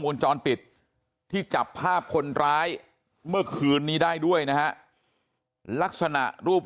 วงจรปิดที่จับภาพคนร้ายเมื่อคืนนี้ได้ด้วยนะฮะลักษณะรูป